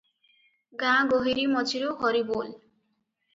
ଗାଁ ଗୋହିରୀ ମଝିରୁ 'ହରିବୋଲ!